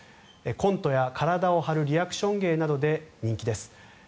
コントや体を張るリアクション芸などで人気です。